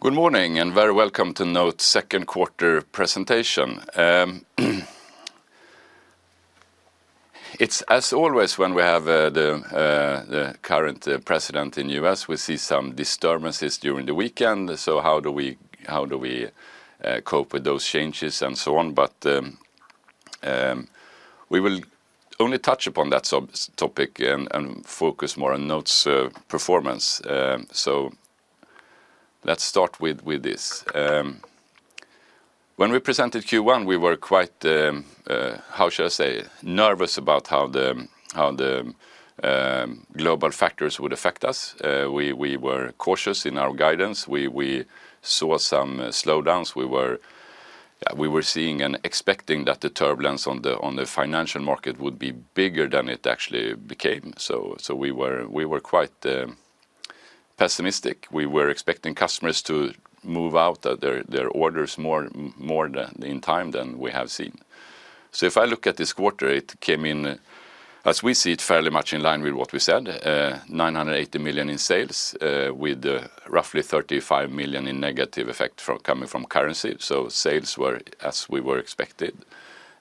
Good morning and very welcome to Note second quarter presentation. As always when we have the current president in US, we see some disturbances during the weekend. How do we cope with those changes and so on. We will only touch upon that topic and focus more on Note's performance. Let's start with this. When we presented Q1 we were quite, how should I say, nervous about how the global factors would affect us. We were cautious in our guidance. We saw some slowdowns. We were seeing and expecting that the turbulence on the financial market would be bigger than it actually became. We were quite pessimistic. We were expecting customers to move out their orders more in time than we have seen. If I look at this quarter, it came in as we see it, fairly much in line with what we said, 980 million in sales with roughly 35 million in negative effect coming from currency. Sales were as we expected,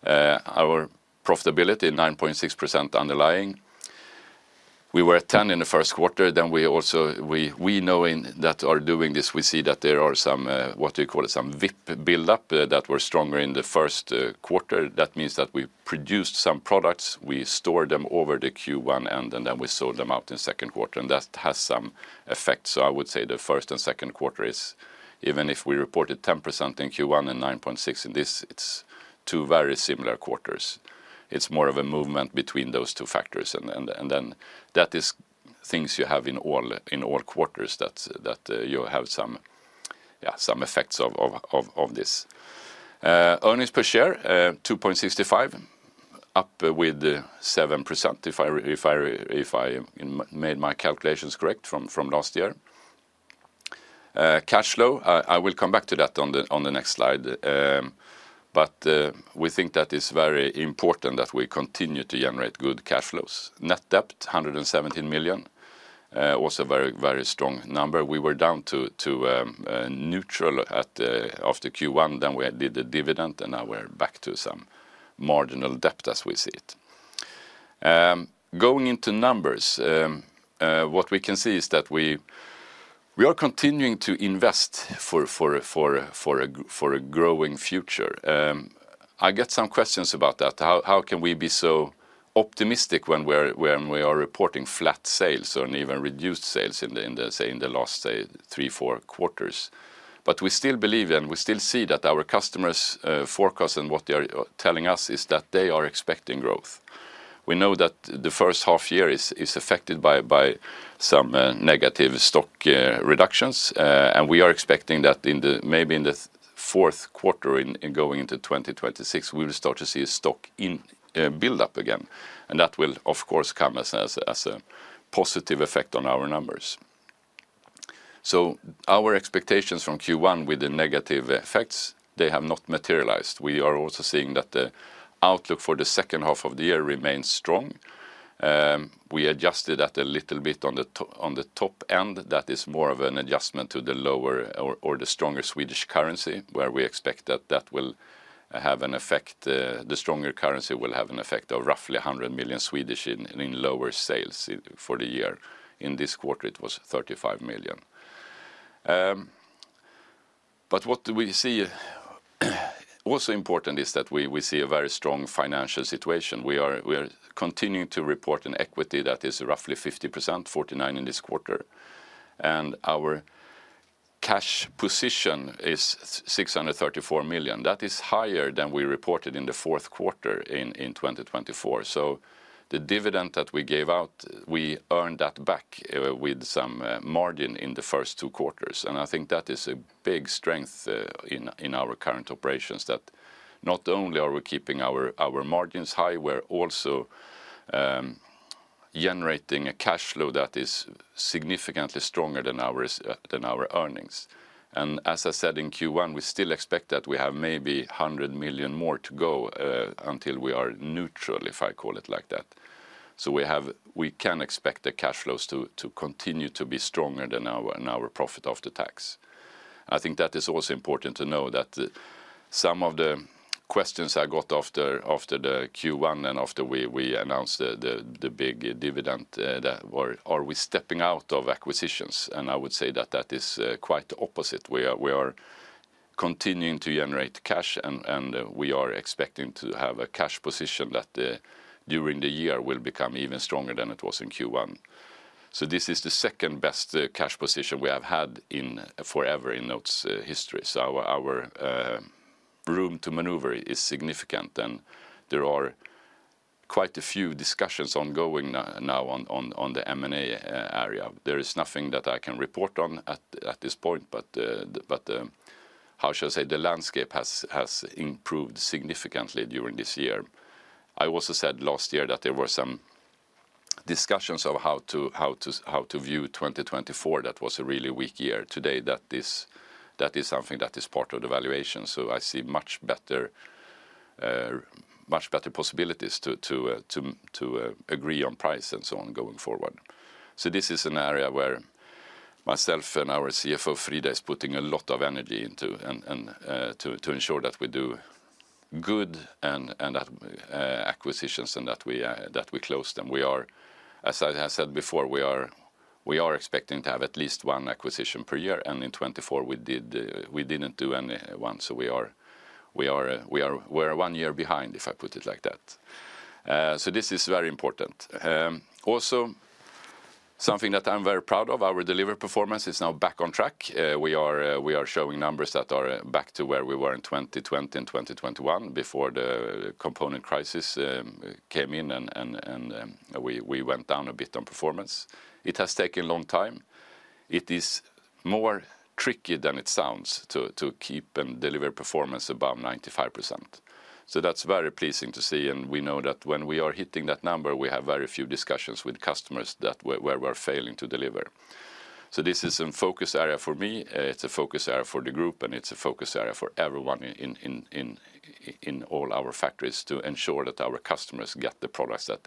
our profitability 9.6% underlying. We were at 10% in the first quarter. We know that are doing this. We see that there are some, what do you call it, some VIP build up that were stronger in the first quarter. That means that we produced some products, we stored them over the Q1 end and then we sold them out in second quarter and that has some effect. I would say the first and second quarter is even if we reported 10% in Q1 and 9.6% in this, it's two very similar quarters. It's more of a movement between those two factors. That is things you have in all quarters that you have some effects of this. Earnings per share 2.65 million up with 7% if I made my calculations correct from last year. Cash flow, I will come back to that on the next slide. We think that is very important that we continue to generate good cash flows. Net debt 117 million was a very, very strong number. We were down to neutral after Q1, then we did the dividend and now we're back to some marginal debt as we see it. Going into numbers, what we can see is that we are continuing to invest for a growing future. I get some questions about that. How can we be so optimistic when we are reporting flat sales or even reduced sales say in the last three, four quarters. We still believe and we still see that our customers' forecast and what they are telling us is that they are expecting growth. We know that the first half year is affected by some negative stock reductions, and we are expecting that maybe in the fourth quarter going into 2026, we will start to see stock build up again. That will of course come as a positive effect on our numbers. Our expectations from Q1 with the negative effects have not materialized. We are also seeing that the outlook for the second half of the year remains strong. We adjusted that a little bit on the top end. That is more of an adjustment to the lower or the stronger Swedish currency, where we expect that will have an effect. The stronger currency will have an effect of roughly 100 million in lower sales for the year. In this quarter, it was 35 million. What we see also important is that we see a very strong financial situation. We are continuing to report an equity that is roughly 50%, 49% in this quarter, and our cash position is 634 million. That is higher than we reported in the fourth quarter in 2024. The dividend that we gave out, we earned that back with some margin in the first two quarters. I think that is a big, big strength in our current operations, that not only are we keeping our margins high, we're also generating a cash flow that is significantly stronger than our earnings. As I said in Q1, we still expect that we have maybe 100 million more to go until we are neutral, if I call it like that. We can expect the cash flows to continue to be stronger than our profit after tax. I think that is also important to know that some of the questions I got after Q1 and after we announced the big dividend, are we stepping out of acquisitions? I would say that is quite the opposite. We are continuing to generate cash, and we are expecting to have a cash position that during the year will become even stronger than it was in Q1. This is the second best cash position we have had forever in Note's history. Our room to maneuver is significant, and there are quite a few discussions ongoing now on the M&A area. There is nothing that I can report on at this point, but how shall I say, the landscape has improved significantly during this year. I also said last year that there were some discussions of how to view 2024. That was a really weak year. Today, that is something that is part of the valuation. I see much better possibilities to agree on price and so on going forward. This is an area where myself and our CFO Frida is putting a lot of energy into to ensure that we do good acquisitions and that we close them. We are, as I said before, expecting to have at least one acquisition per year. In 2024, we didn't do any one. We are one year behind, if I put it like that. This is very important, also something that I'm very proud of. Our delivery performance is now back on track. We are showing numbers that are back to where we were in 2020 and 2021 before the component crisis came in and we went down a bit on performance. It has taken a long time, it is more tricky than it sounds to keep and deliver performance above 95%. That's very pleasing to see and we know that when we are hitting that number we have very few discussions with customers where we're failing to deliver. This is a focus area for me, it's a focus area for the group and it's a focus area for everyone in all our factories to ensure that our customers get the products that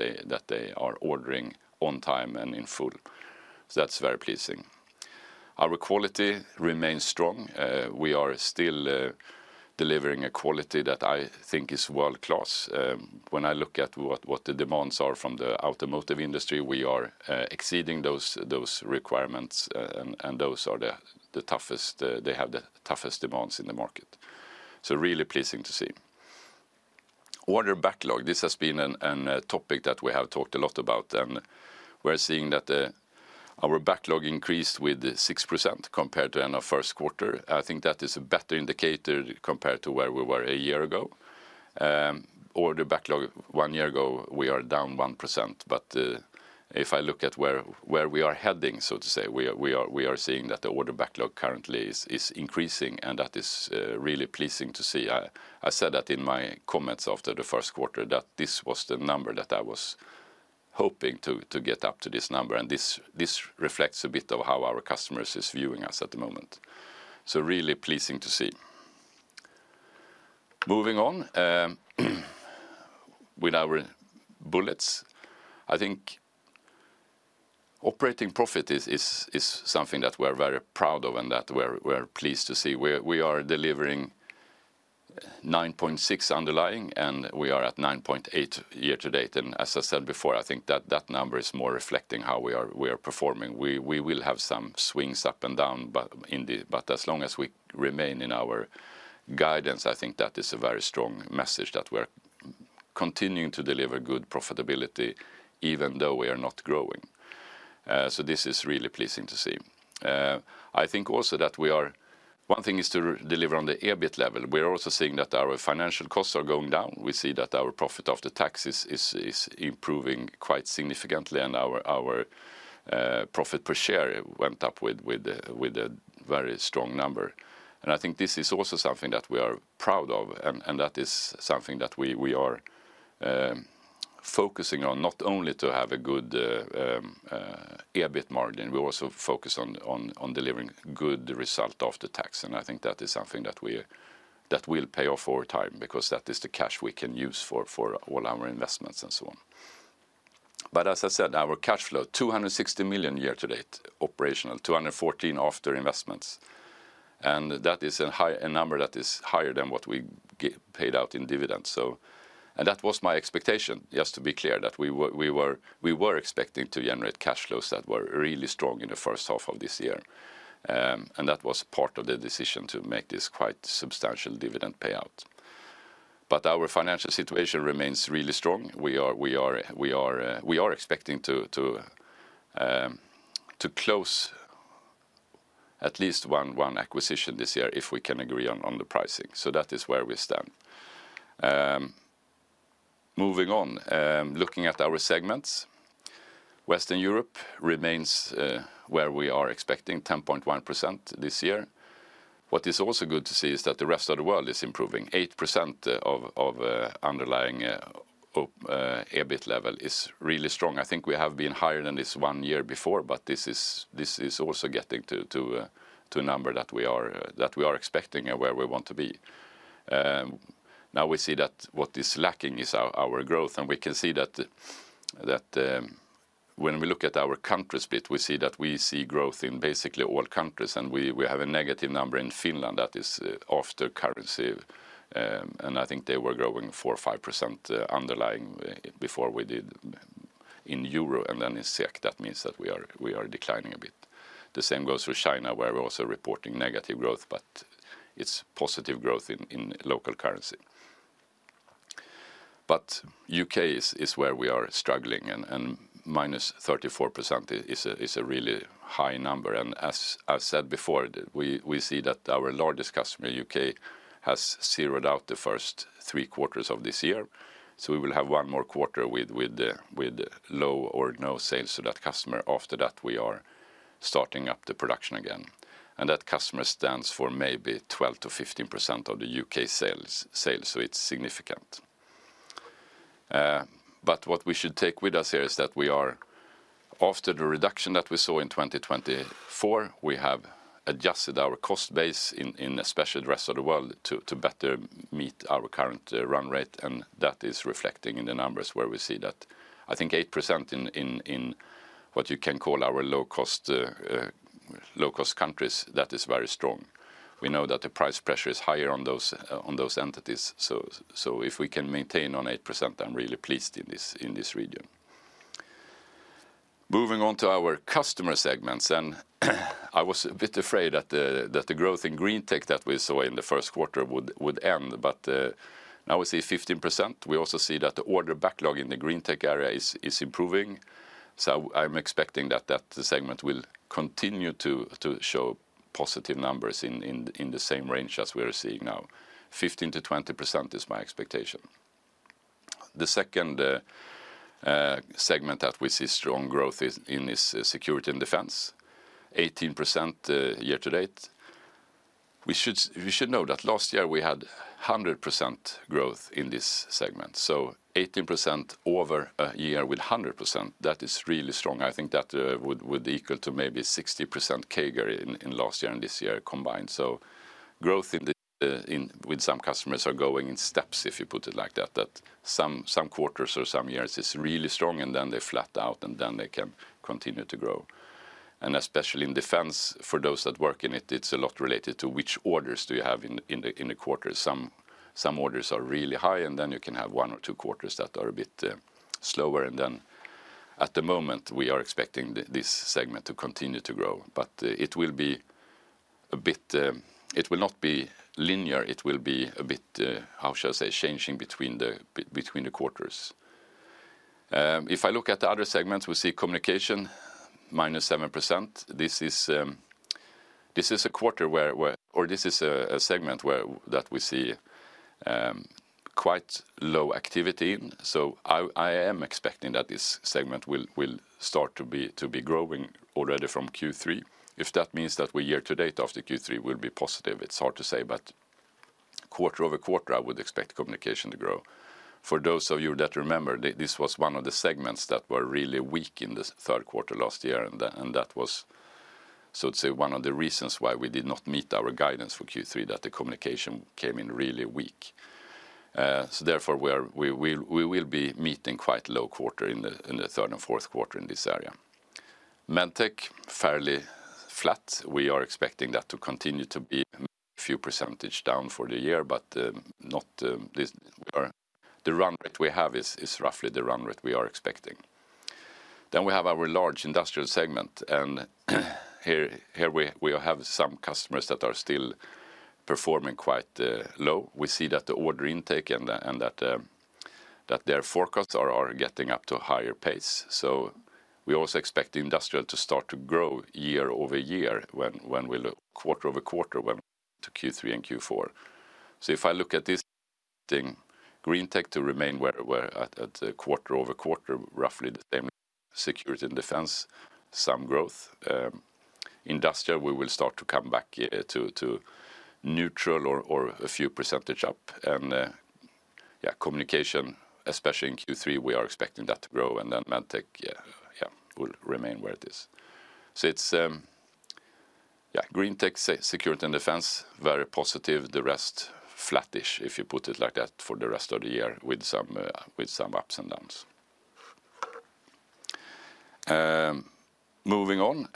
they are ordering on time and in full. That's very pleasing. Our quality remains strong. We are still delivering a quality that I think is world class. When I look at what the demands are from the automotive industry, we are exceeding those requirements and those are the toughest. They have the toughest demands in the market. Really pleasing to see. Order backlog has been a topic that we have talked a lot about and we're seeing that our backlog increased with 6% compared to first quarter. I think that is a better indicator compared to where we were a year ago. Order backlog one year ago, we are down 1%. If I look at where we are heading, we are seeing that the order backlog currently is increasing and that is really pleasing to see. I said that in my comments after the first quarter that this was the number that I was hoping to get up to and this reflects a bit of how our customers is viewing us at the moment. Really pleasing to see. Moving on with our bullets. I think operating profit is something that we're very proud of and that we're pleased to see. We are delivering 9.6% underlying and we are at 9.8% year-to-date. As I said before, I think that that number is more reflecting how we are. We are performing. We will have some swings up and down, but as long as we remain in our guidance, I think that is a very strong message that we're continuing to deliver good profitability even though we are not growing. This is really pleasing to see. I think also that we are, one thing is to deliver on the EBIT level. We are also seeing that our financial costs are going down. We see that our profit after taxes is improving quite significantly and our profit per share went up with a very strong number. I think this is also something that we are proud of and that is something that we are focusing on, not only to have a good EBIT margin, we also focus on delivering good result after tax. I think that is something that will pay off over time because that is the cash we can use for all our investments and so on. As I said, our cash flow is 260 million year-to-date operational, 214 million after investments. That is a number that is higher than what we paid out in dividends. That was my expectation, just to be clear, that we were expecting to generate cash flows that were really strong in the first half of this year. That was part of the decision to make this quite substantial dividend payout. Our financial situation remains really strong. We are expecting to close at least one acquisition this year if we can agree on the pricing. That is where we stand. Moving on, looking at our segments, Western Europe remains where we are expecting 10.1% this year. What is also good to see is that the rest of the world is improving. 8% at underlying EBIT level is really strong. I think we have been higher than this one year before, but this is also getting to a number that we are expecting and where we want to be. Now we see that what is lacking is our growth and we can see that when we look at our countries bit, we see growth in basically all countries. We have a negative number in Finland that is after currency. I think they were growing 4% or 5% underlying before we did in euro and then in Czech. That means that we are declining a bit. The same goes for China where we're also reporting negative growth, but it's positive growth in local currency. U.K. is where we are struggling and -34% is a really high number. As I said before, we see that our largest customer in the U.K. has zeroed out the first three quarters of this year. We will have one more quarter with low or no sales to that customer. After that, we are starting up the production again. That customer stands for maybe 12%-15% of the U.K. sales, so it's significant. What we should take with us here is that after the reduction that we saw in 2024, we have adjusted our cost base in especially the rest of the world to better meet our current run rate. That is reflecting in the numbers where we see that I think 8% in what you can call our low cost countries, that is very strong. We know that the price pressure is higher on those entities. If we can maintain on 8%, I'm really pleased in this region. Moving on to our customer segments, I was a bit afraid that the growth in GreenTech that we saw in the first quarter would end, but now we see 15%. We also see that the order backlog in the GreenTech area is improving. I'm expecting that the segment will continue to show positive numbers in the same range as we are seeing now. 15%-20% is my expectation. The second segment that we see strong growth in is Security & Defence 18% year-to-date.. You should know that last year we had 100% growth in this segment. 18% over a year with 100%, that is really strong. I think that would equal to maybe 60% CAGR in last year and this year combined. Growth with some customers is going in steps, if you put it like that. Some quarters or some years is really strong and then they flat out and then they can continue to grow. Especially in Defence, for those that work in it, it's a lot related to which orders you have in the quarter. Some orders are really high and then you can have one or two quarters that are a bit slower. At the moment we are expecting this segment to continue to grow, but it will be a bit. It will not be linear, it will be, how shall I say, changing between the quarters. If I look at the other segments, we see communication -7%. This is a quarter where, or this is a segment that we see quite low activity in. I am expecting that this segment will start to be growing already from Q3. If that means that we year-to-date. after Q3 will be positive, it's hard to say, but quarter-over-quarter I would expect communication to grow. For those of you that remember, this was one of the segments that were really weak in the third quarter last year and that was, so to say, one of the reasons why we did not meet our guidance for Q3, that the communication came in really weak. Therefore we will be meeting quite low quarter in the third and fourth quarter in this area. MedTech fairly flat. We are expecting that to continue to be a few percentage down for the year, but the run rate we have is roughly the run rate we are expecting. Then we have our large industrial segment and here we have some customers that are still performing quite low. We see that the order intake and that their forecasts are getting up to higher pace. We also expect the industrial to start to grow year-over-year. When we look quarter-over-quarter when to Q3 and Q4. If I look at this, GreenTech to remain where we're at quarter-over-quarter, roughly the same. Security & Defence, some growth. Industrial, we will start to come back to neutral or a few % up, and communication, especially in Q3, we are expecting that to grow, and then MedTech will remain where it is. GreenTech, Security & Defence, very positive. The rest flattish if you put it like that for the rest of the year, with some ups and downs moving on.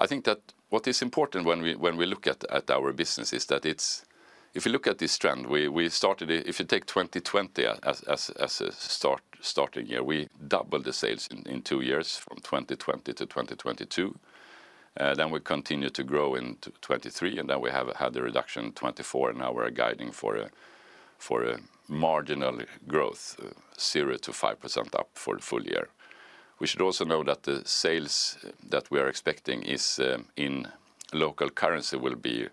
I think that what is important when we look at our business is that it's, if you look at this trend we started, if you take 2020 as a starting year, we doubled the sales in two years from 2020-2022, then we continued to grow in 2023, and then we have had the reduction in 2024, and now we're guiding for marginal growth, 0%-5% up for the full year. We should also know that the sales that we are expecting in local currency will be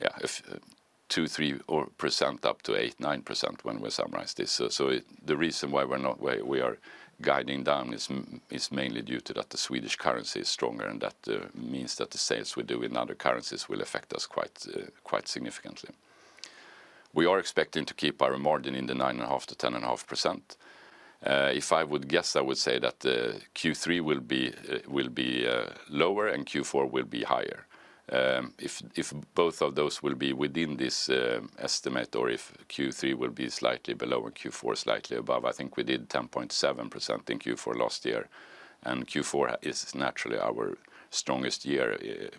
8%, 9% when we summarize this. The reason why we're not where we are guiding down is mainly due to the Swedish currency being stronger, and that means that the sales we do in other currencies will affect us quite significantly. We are expecting to keep our margin in the 9.5%-10.5%. If I would guess, I would say that Q3 will be lower and Q4 will be higher. If both of those will be within this estimate or if Q3 will be slightly below and Q4 slightly above. I think we did 10.7% in Q4 last year, and Q4 is naturally our strongest quarter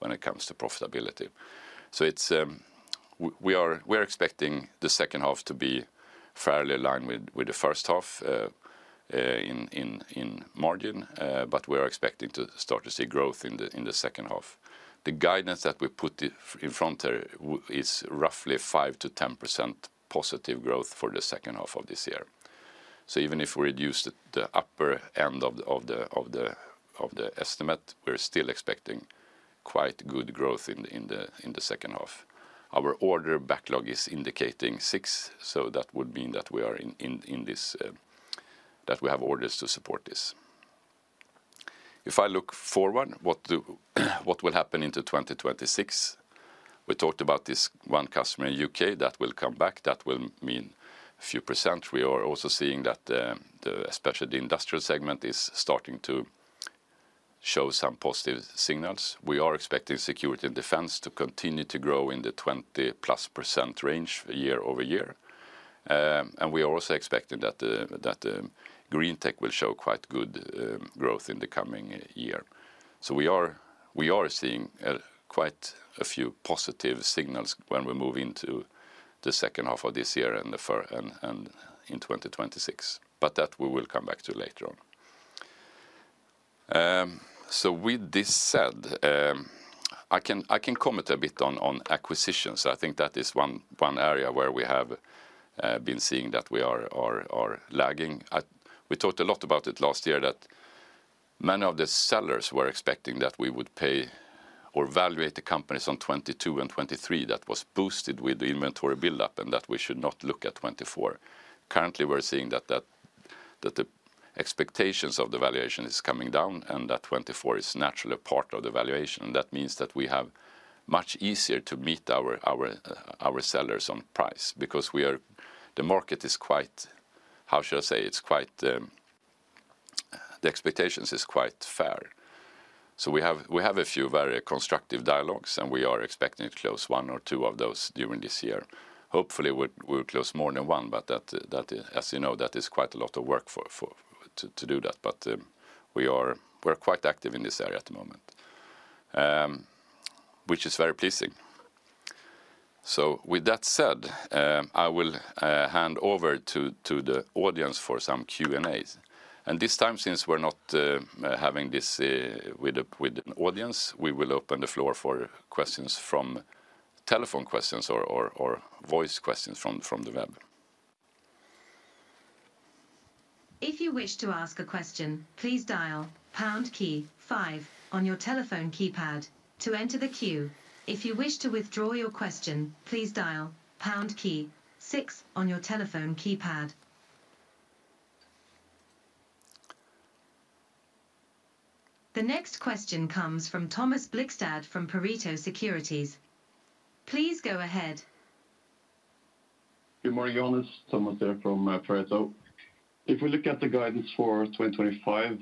when it comes to profitability. We are expecting the second half to be fairly aligned with the first half in margin, but we are expecting to start to see growth in the second half. The guidance that we put in front there is roughly 5%-10% positive growth for the second half of this year. Even if we reduce the upper end of the estimate, we're still expecting quite good growth in the second half. Our order backlog is indicating 6%. That would mean that we have orders to support this. If I look forward what will happen into 2026, we talked about this one customer in the U.K. that will come back. That will mean a few percent. We are also seeing that especially the industrial segment is starting to show some positive signals. We are expecting Security & Defence to continue to grow in the 20%+ range year-over-year, and we are also expecting that GreenTech will show quite good growth in the coming year. We are seeing quite a few positive signals when we move into the second half of this year and in 2026, but we will come back to that later on. With this said, I can comment a bit on acquisitions. I think that is one area where we have been seeing that we are lagging. We talked a lot about it last year, that many of the sellers were expecting that we would pay or valuate the companies on 2022 and 2023, that was boosted with the inventory buildup, and that we should not look at 2024. Currently, we're seeing that the expectations of the valuation are coming down and that 2024 is naturally a part of the valuation. That means that we have much easier to meet our sellers on price because the market is quite, how shall I say, it's quite—the expectations are quite fair. We have a few very constructive dialogues, and we are expecting to close one or two of those during this year. Hopefully, we will close more than one, but as you know, that is quite a lot of work to do. We are quite active in this area at the moment, which is very pleasing. With that said, I will hand over to the audience for some Q&As. This time, since we're not having this with an audience, we will open the floor for questions from telephone questions or voice questions from the web. If you wish to ask a question, please dial on your telephone keypad to enter the queue. If you wish to withdraw your question, please dial six on your telephone keypad. The next question comes from Thomas Blickstadt from Pareto Securities. Please go ahead. Good morning, Johannes. Thomas here from Pareto. If we look at the guidance for 2025,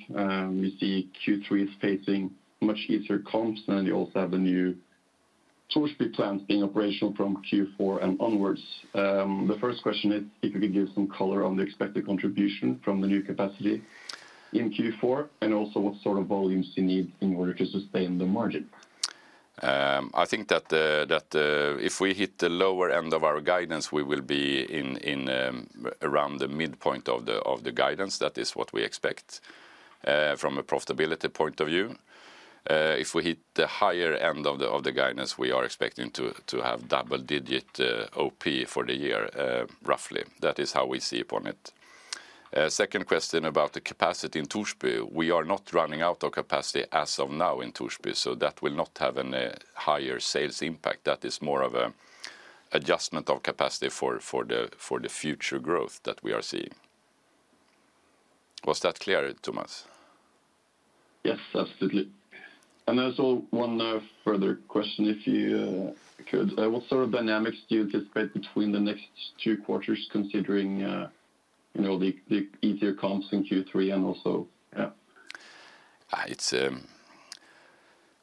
we see Q3 is facing much easier comps, and you also have the new Torsby plants being operational from Q4 and onwards. The first question is if you could give some color on the expected contribution from the new capacity in Q4, and also what sort of volumes you need in order to sustain the margin. I think that if we hit the lower end of our guidance, we will be around the midpoint of the guidance. That is what we expect from a profitability point of view. If we hit the higher end of the guidance, we are expecting to have double-digit OP for the year. Roughly that is how we see upon it. Second question about the capacity in Torsby, we are not running out of capacity as of now in Torsby. That will not have any higher sales increase impact. That is more of an adjustment of capacity for the future growth that we are seeing. Was that clear, Thomas? Yes, absolutely. There's one further question, if you could. What sort of dynamics do you anticipate between the next two quarters, considering the easier comps in Q3?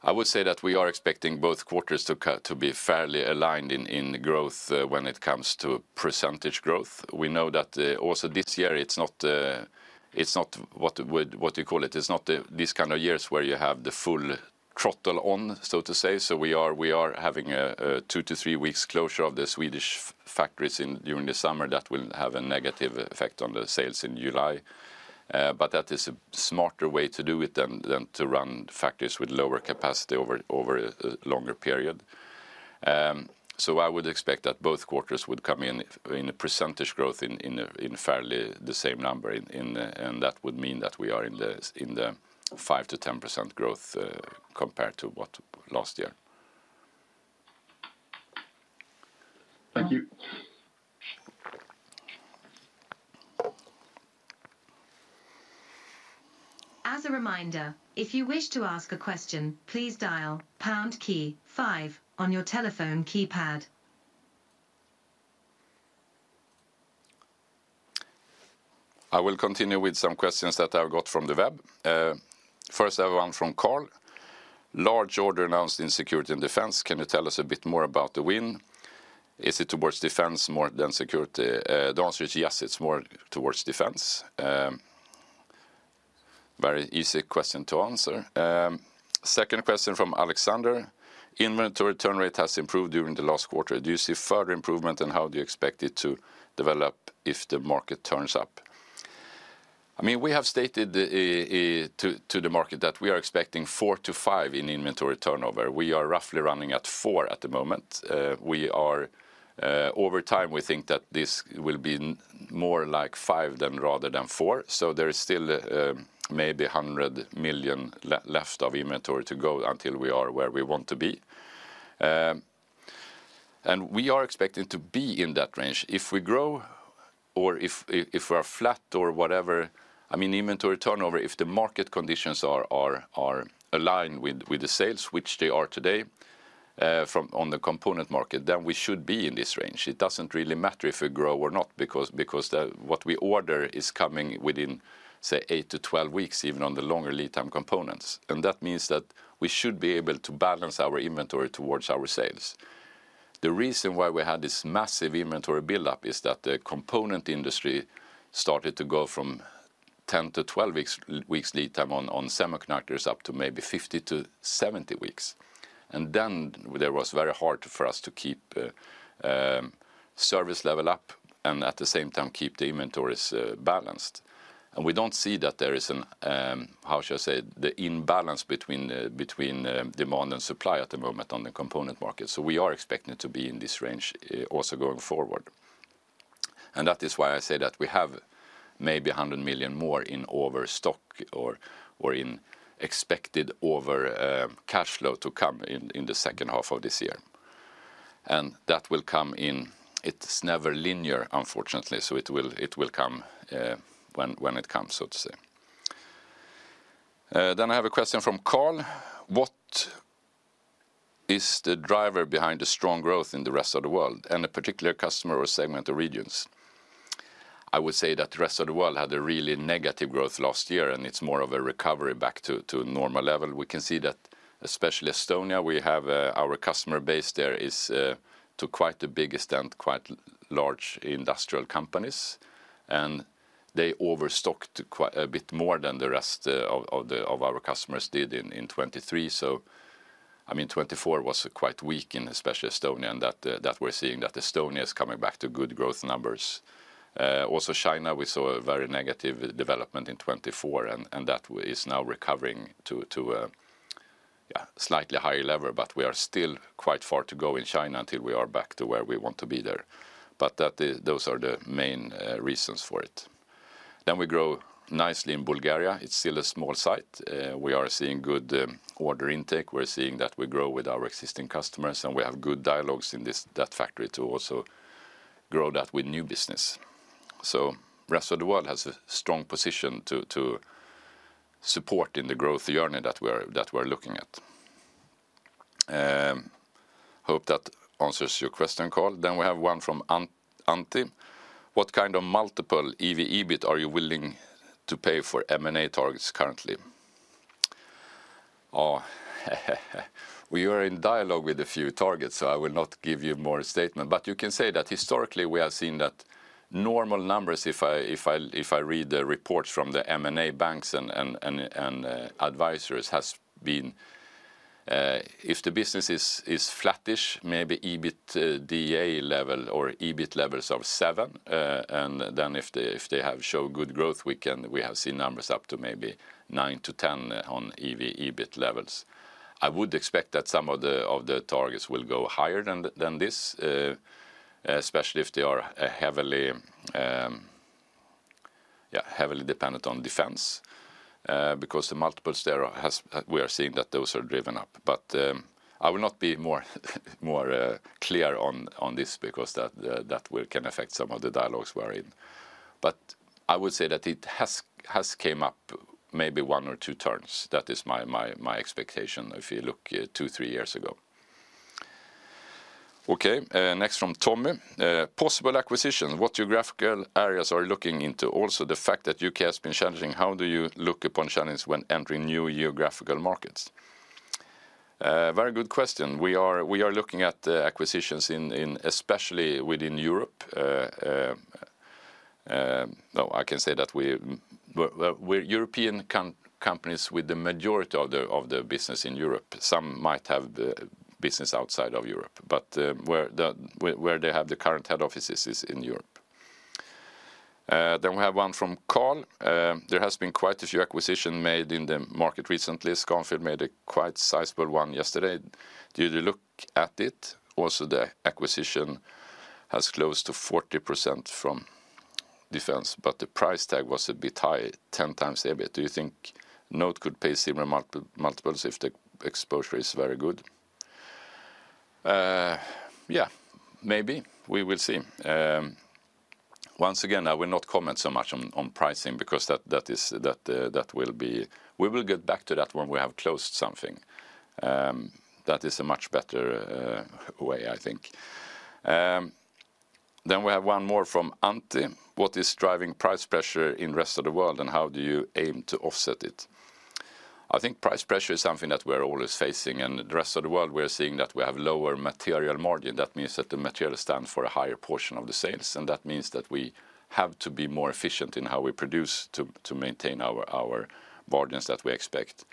I would say that we are expecting both quarters to be fairly aligned in growth when it comes to percentage growth. We know that also this year. It's not what you call it. It's not these kind of years where you have the full throttle on, so to say. We are having a two to three weeks closure of the Swedish factories during the summer. That will have a negative effect on the sales in July. That is a smarter way to do it than to run factories with lower capacity over a longer period. I would expect that both quarters would come in in a % growth in fairly the same number. That would mean that we are in the 5%-10% growth compared to what last year. Thank you. As a reminder, if you wish to ask a question, please dial the pound key five on your telephone keypad. I will continue with some questions that I got from the web. First, I have one from Karl, large order announced in Security & Defence. Can you tell us a bit more about the win? Is it towards defence more than security? The answer is yes, it's more towards defence. Very easy question to answer. Second question from Alexander. Inventory turn rate has improved during the last quarter. Do you see further improvement and how do you expect it to develop if the market turns up? I mean, we have stated to the market that we are expecting four to five in inventory turnover. We are roughly running at four at the moment. We are, over time, we think that this will be more like five rather than four. So there is still maybe 100 million left of inventory to go until we are where we want to be. We are expecting to be in that range if we grow or if we are flat or whatever. I mean, inventory turnover, if the market conditions are aligned with the sales, which they are today on the component market, then we should be in this range. It doesn't really matter if we grow or not because what we order is coming within, say, 8-12 weeks, even on the longer lead time components. That means that we should be able to balance our inventory towards our sales. The reason why we had this massive inventory buildup is that the component industry started to go from 10-12 weeks lead time on semiconductors up to maybe 50-70 weeks. It was very hard for us to keep service level up and at the same time keep the inventories balanced. We don't see that there is an, how should I say, the imbalance between demand and supply at the moment on the component market. We are expecting to be in this range also going forward. That is why I say that we have maybe 100 million more in overstock or in expected over cash flow to come in the second half of this year. That will come in. It's never linear, unfortunately, so it will come when it comes, so to say. I have a question from Karl. What is the driver behind the strong growth in the rest of the world and a particular customer or segment of regions? I would say that the rest of the world had a really negative growth last year and it's more of a recovery back to normal level. We can see that especially Estonia, we have our customer base there is to quite the biggest and quite large industrial companies and they overstocked a bit more than the rest of our customers did in 2023. I mean 2024 was quite weak, especially in Estonia, and we're seeing that Estonia is coming back to good growth numbers. Also, China, we saw a very negative development in 2024, and that is now recovering to a slightly higher level. We are still quite far to go in China until we are back to where we want to be there. Those are the main reasons for it. We grow nicely in Bulgaria. It's still a small site. We are seeing good order intake, we're seeing that we grow with our existing customers, and we have good dialogues in that factory to also grow that with new business. The rest of the world has a strong position to support in the growth journey that we're looking at. Hope that answers your question, Karl. We have one from Antti: what kind of multiple EV/EBIT are you willing to pay for M&A targets? Currently, we are in dialogue with a few targets, so I will not give you more statement, but you can say that historically we have seen that normal numbers, if I read the reports from the M&A banks and advisors, has been if the business is flattish, maybe EBITDA level or EBIT levels of seven, and then if they show good growth, we have seen numbers up to maybe 9-10 on EBIT levels. I would expect that some of the targets will go higher than this, especially if they are heavily dependent on defense, because the multiples there, we are seeing that those are driven up. I will not be more clear on this because that can affect some of the dialogues we are in. I would say that it has come up maybe one or two turns. That is my expectation if you look two, three years ago. Next from Tommy: possible acquisitions. What geographical areas are you looking into? Also, the fact that U.K. has been challenging, how do you look upon challenge when entering new geographical markets? Very good question. We are looking at the acquisitions, especially within Europe. I can say that we're European companies with the majority of the business in Europe. Some might have business outside of Europe, but where they have the current head offices is in Europe. Then we have one from Karl. There have been quite a few acquisitions made in the market recently. Scarfield made a quite sizable one yesterday. Did you look at it also? The acquisition has close to 40% from defense, but the price tag was a bit high, 10x the area. Do you think Note could pay similar multiples if the exposure is very good? Yeah, maybe we will see. Once again, I will not comment so much on pricing because that will be. We will get back to that when we have closed something that is a much better way, I think. We have one more from Ante. What is driving price pressure in the rest of the world and how do you aim to offset it? I think price pressure is something that we're always facing and the rest of the world, we are seeing that we have lower material margin. That means that the material stands for a higher portion of the sales, and that means that we have to be more efficient in how we produce to maintain our margins that we expect.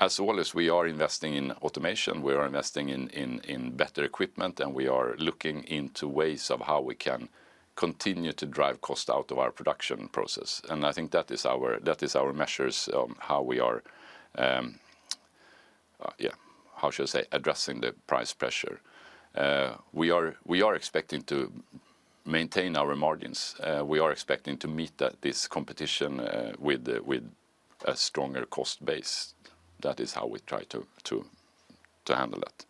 As always, we are investing in automation, we are investing in better equipment, and we are looking into ways of how we can continue to drive cost out of our production process. I think that is our measures, how we are, how should I say, addressing the price pressure. We are expecting to maintain our margins. We are expecting to meet this competition with a stronger cost base. That is how we try to handle that.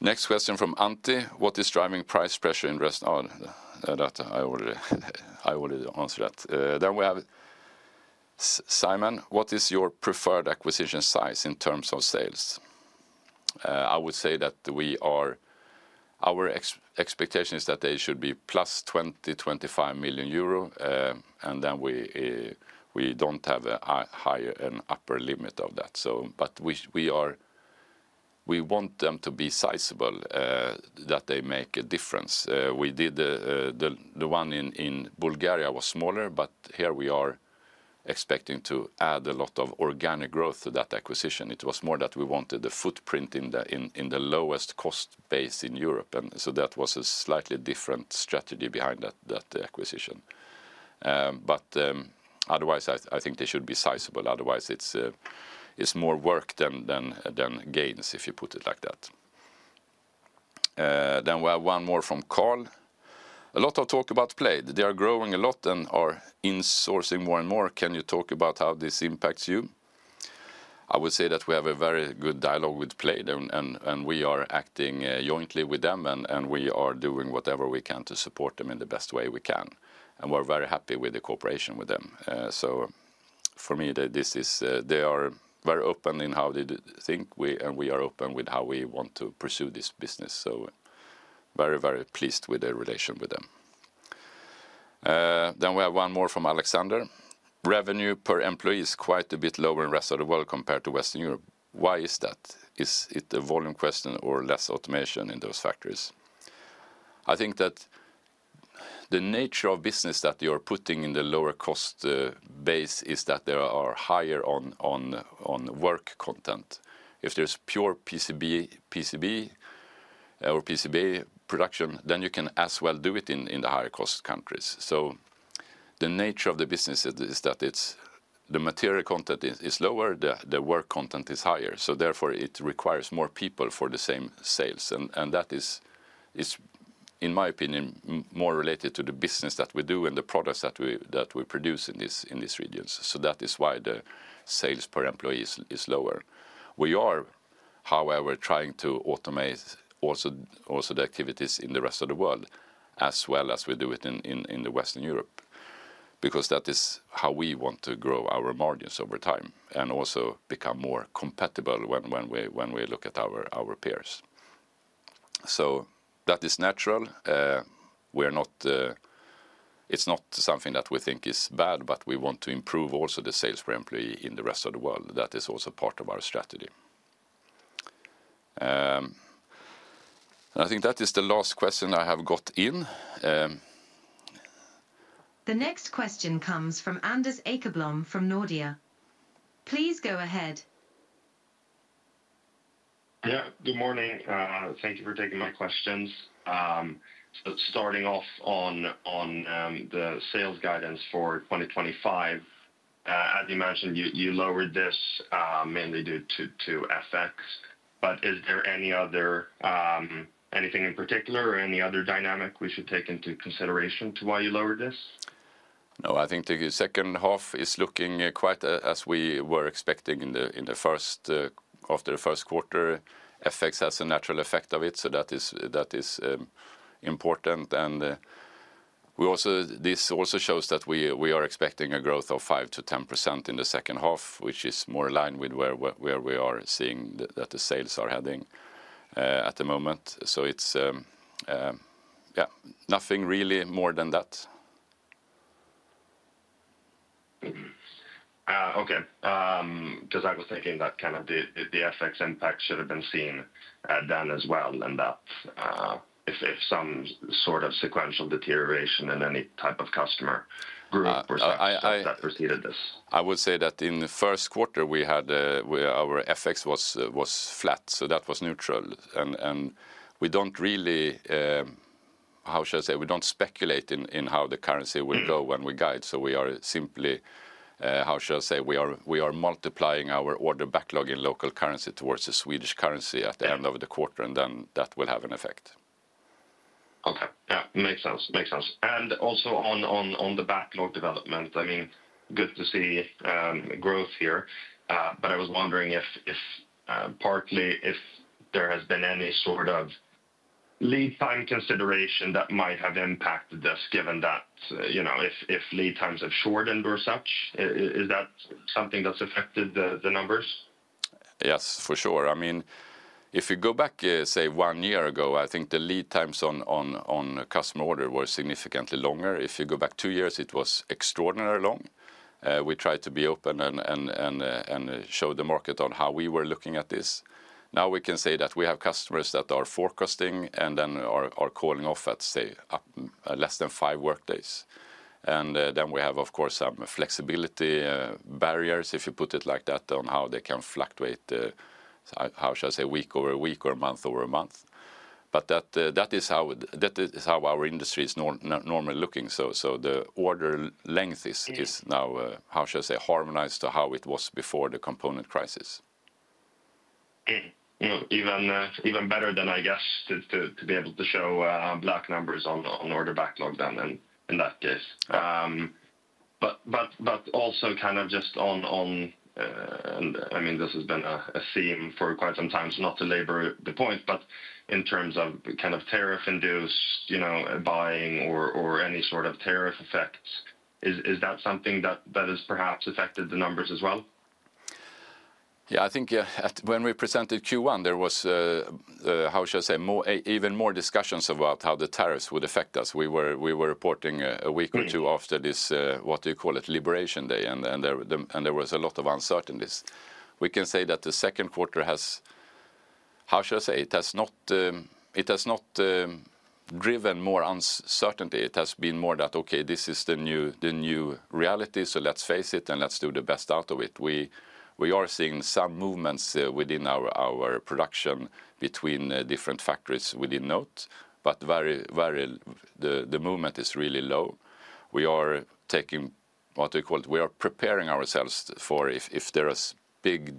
Next question from Ante. What is driving price pressure in rest? I already answered that. We have Simon, what is your preferred acquisition size in terms of sales? I would say that we are, our expectation is that they should be +20 million, +25 million euro. We do not have a higher and upper limit of that, but we want them to be sizable, that they make a difference. We did the one in Bulgaria, it was smaller, but here we are expecting to add a lot of organic growth to that acquisition. It was more that we wanted the footprint in the lowest cost base in Europe, and so that was a slightly different strategy behind that acquisition. Otherwise, I think they should be sizable. Otherwise, it's more work than gains, if you put it like that. We have one more from Karl. A lot of talk about Plaid. They are growing a lot and are insourcing more and more. Can you talk about how this impacts you? I would say that we have a very good dialogue with Plaid and we are acting jointly with them and we are doing whatever we can to support them in the best way we can. We're very happy with the cooperation with them. For me, they are very open in how they think and we are open with how we want to pursue this business. Very, very pleased with the relation with them. We have one more from Alexander. Revenue per employee is quite a bit lower in rest of the world compared to Western Europe. Why is that? Is it the volume question or less automation in those factories? I think that the nature of business that you are putting in the lower cost base is that there are higher on work content. If there's pure PCB or PCB production, then you can as well do it in the higher cost countries. The nature of the business is that the material content is lower, the work content is higher. Therefore, it requires more people for the same sales. That is, in my opinion, more related to the business that we do and the products that we produce in these regions. That is why the sales per employee is lower. We are, however, trying to automate also the activities in the rest of the world as well as we do it in Western Europe, because that is how we want to grow our margins over time and also become more compatible when we look at our peers. That is natural. It's not something that we think is bad, but we want to improve also the sales per employee in the rest of the world. That is also part of our strategy. I think that is the last question I have got in. The next question comes from Anders Ekblom from Nordea. Please go ahead. Yeah, good morning. Thank you for taking my questions. Starting off on the sales guidance for 2025, as you mentioned, you lowered this mainly due to FX. Is there anything in particular or any other dynamic we should take into consideration to why you lowered this? No, I think the second half is looking quite as we were expecting in the first. After the first quarter, FX has a natural effect of it. That is important. We also, this also shows that we are expecting a growth of 5%-10% in the second half, which is more in line with where we are seeing that the sales are heading at the moment. It's nothing really more than that. Okay. I was thinking that kind of the FX impact should have been seen then as well, and that if some sort of sequential deterioration in any type of customer group that preceded this. I would say that in the first quarter we had our FX effects was flat, so that was neutral. We don't really, how should I say, we don't speculate in how the currency will go when we guide. We are simply, how shall I say, multiplying our order backlog in local currency towards the Swedish currency at the end of the quarter, and then that will have an effect. Okay, makes sense, makes sense. Also, on the backlog development, good to see growth here, but I was wondering if, partly, there has been any sort of lead time consideration that might have impacted this, given that, you know, if lead times have shortened or such. Is that something that affected the numbers? Yes, for sure. I mean, if you go back, say one year ago, I think the lead times on customer order were significantly longer. If you go back two years, it was extraordinarily long. We tried to be open and show the market on how we were looking at this. Now we can say that we have customers that are forecasting and then are calling off at, say, less than five workdays. We have, of course, some flexibility barriers, if you put it like that, on how they can fluctuate, how shall I say, week over week or month over a month. That is how our industry is normally looking. The order length is now, how should I say, harmonized to how it was before the component crisis. Even better, I guess, to be able to show black numbers on order backlog in that case. Also, this has been a theme for quite some time, not to labor the point, but in terms of tariff-induced buying or any sort of tariff effects, is that something that has perhaps affected the numbers as well? Yeah, I think when we presented Q1, there was, how should I say, even more discussions about how the tariffs would affect us. We were reporting a week, what do you call it, Liberation Day. There was a lot of uncertainties. I can say that the second quarter has, how should I say, it has not driven more uncertainty. It has been more that, okay, this is the new reality. Let's face it and do the best out of it. We are seeing some movements within our production between different factories within Note, but the movement is really low. We are preparing ourselves for if there are big,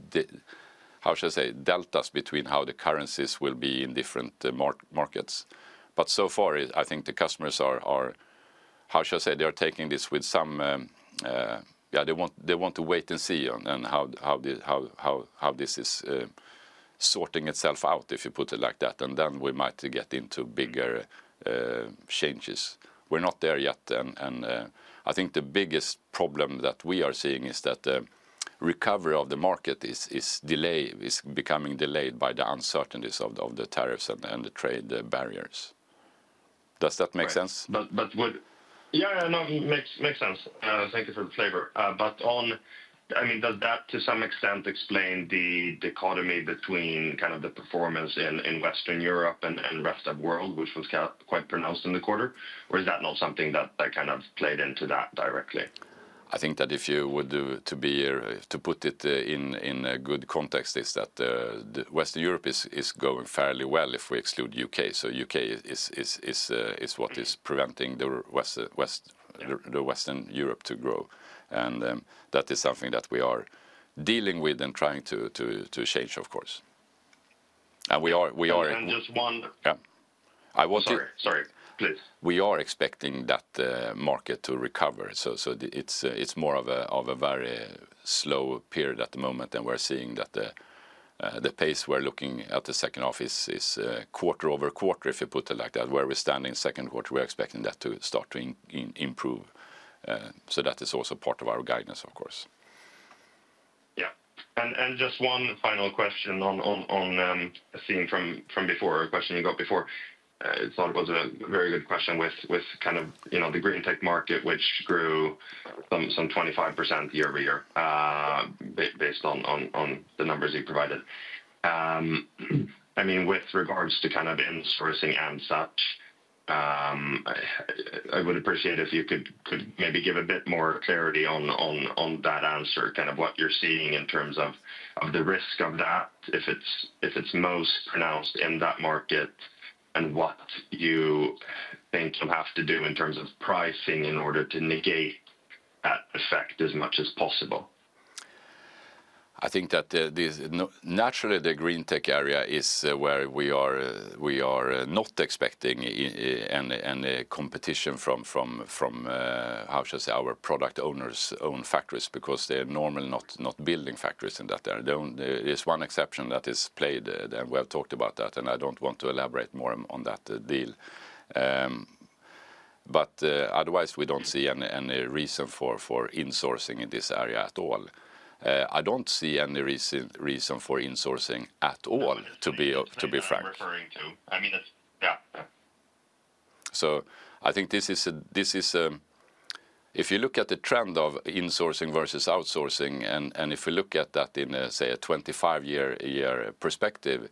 how should I say, deltas between how the currencies will be in different markets. So far I think the customers are, how should I say, they are taking this with some, yeah, they want to wait and see how this is sorting itself out, if you put it like that. We might get into bigger changes. We're not there yet. I think the biggest problem that we are seeing is that the recovery of the market is delayed, is becoming delayed by the uncertainties of the tariffs and the trade barriers. Does that make sense? Yeah, makes sense. Thank you for the flavor. Does that to some extent explain the dichotomy between kind of the performance in Western Europe and rest of world, which was quite pronounced in the quarter, or is that not something that kind of played into that directly? I think that if you would put it in a good context, Western Europe is going fairly well if we exclude the U.K. U.K. is what is preventing Western Europe to grow. That is something that we are dealing with and trying to change, of course. We are just one. Sorry, please. We are expecting that market to recover. It is more of a very slow period at the moment, and we're seeing that the pace we're looking at in the second half is quarter-over-quarter. If you put it like that, where we're standing second quarter, we're expecting that to start to improve. That is also part of our guidance, of course. Yeah. Just one final question on seeing from before, a question you got before. It was a very good question with, kind of, you know, the GreenTech market, which grew some 25% year-over-year, based on the numbers you provided. I mean, with regards to kind of insourcing and such, I would appreciate if you could maybe give a bit more clarity on that answer. Kind of what you're seeing in terms of the risk of that, if it's most pronounced in that market, and what you think you'll have to do in terms of pricing in order to negate that effect as much as possible. I think that naturally the GreenTech area is where we are not expecting any competition from how should our product owners own factories because they're normally not building factories in that. There's one exception that is Plaid, we have talked about that and I don't want to elaborate more on that deal. Otherwise, we don't see any reason for insourcing in this area at all. I don't see any reason for insourcing at all, to be frank. If you look at the trend of insourcing versus outsourcing and if we look at that in, say, a 25 year perspective,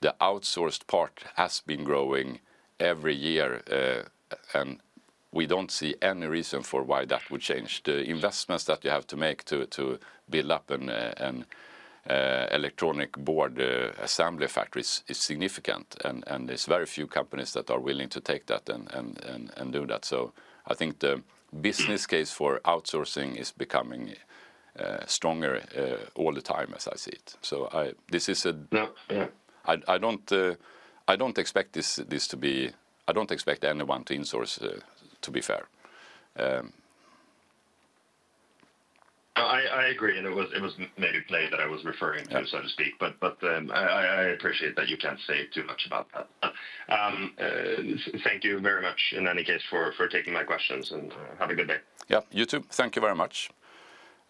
the outsourced part has been growing every year and we don't see any reason for why that would change. The investments that you have to make to build up electronic board assembly factories is significant and there's very few companies that are willing to take that and do that. I think the business case for outsourcing is becoming stronger all the time, as I see it. I don't expect this to be, I don't expect anyone to insource to be fair. I agree, and it was maybe Plaid that I was referring to, so to speak. I appreciate that you can't say too much about that. Thank you very much in any case for taking my questions and have a good day. Yep, you too. Thank you very much.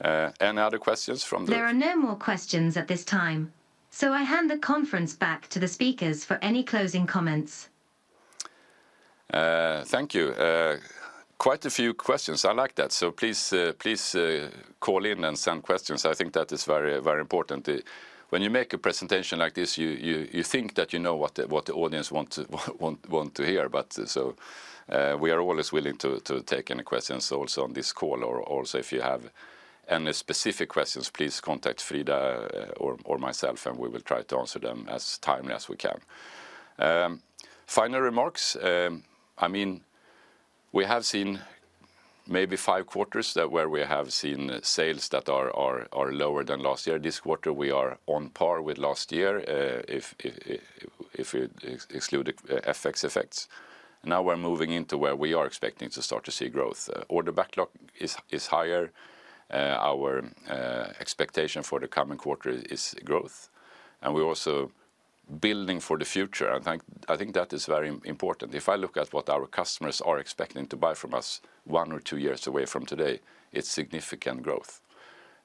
Any other questions from the floor? There are no more questions at this time, so I hand the conference back to the speakers for any closing comments. Thank you. Quite a few questions. I like that. Please call in and send questions. I think that is very, very important when you make a presentation like this, you think that you know what the audience want to hear. We are always willing to take any questions also on this call or if you have any specific questions, please contact Frida or myself and we will try to answer them as timely as we can. Final remarks. We have seen maybe five quarters where we have seen sales that are lower than last year. This quarter we are on par with last year if we exclude FX effects. Now we're moving into where we are expecting to start to see growth. Order backlog is higher. Our expectation for the coming quarter is growth and we're also building for the future. I think that is very important. If I look at what our customers are expecting to buy from us one or two years away from today, it's significant growth.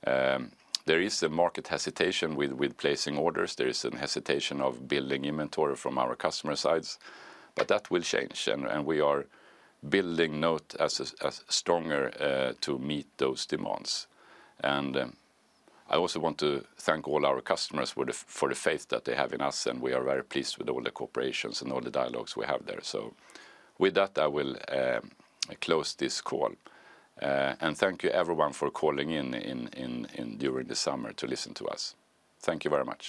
There is a market hesitation with placing orders. There is a hesitation of building inventory from our customer sides. That will change and we are building Note as stronger to meet those demands. I also want to thank all our customers for the faith that they have in us and we are very pleased with all the cooperations and all the dialogues we have there. With that, I will close this call and thank you everyone for calling in during the summer to listen to us. Thank you very much.